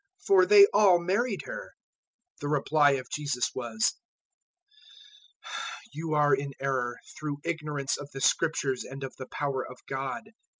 for they all married her." 022:029 The reply of Jesus was, "You are in error, through ignorance of the Scriptures and of the power of God.